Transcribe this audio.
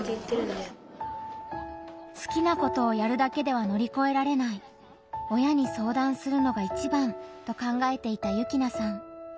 好きなことをやるだけでは乗り越えられない親に相談するのがいちばんと考えていた幸那さん。